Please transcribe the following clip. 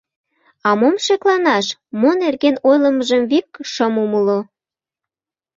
— А мом шекланаш? — мо нерген ойлымыжым вик шым умыло.